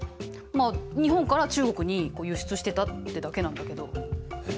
まあ日本から中国に輸出してたってだけなんだけど。え？